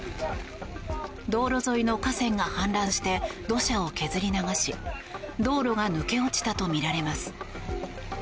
道路沿いの河川が氾濫して土砂を削り流し道路が抜け落ちたとみられます。